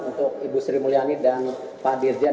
untuk ibu sri mulyani dan pak dirjen